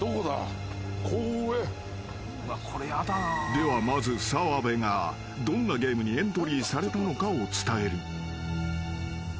［ではまず澤部がどんなゲームにエントリーされたのかを伝える］